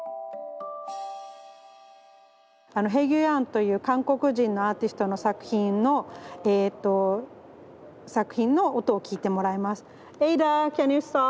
あのヘギュヤンという韓国人のアーティストの作品のえと作品の音を聞いてもらいます。